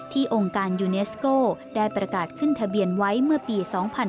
องค์การยูเนสโก้ได้ประกาศขึ้นทะเบียนไว้เมื่อปี๒๕๕๙